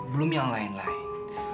belum yang lain lain